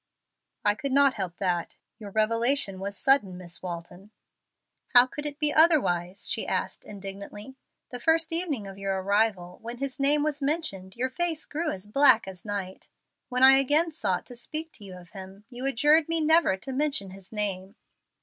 "I could not help that. Your revelation was sudden, Miss Walton." "How could it be otherwise?" she asked, indignantly. "The first evening of your arrival, when his name was mentioned, your face grew as black as night. When I again sought to speak to you of him, you adjured me never to mention his name.